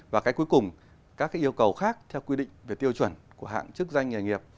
và cái cuối cùng các yêu cầu khác theo quy định về tiêu chuẩn của hạng chức danh nghề nghiệp